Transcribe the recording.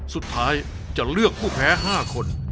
สุดท้ายจะเลือกผู้แพ้๕คน